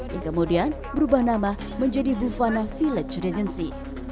yang kemudian berubah nama menjadi bufana village regency